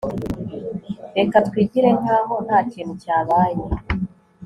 reka twigire nkaho ntakintu cyabaye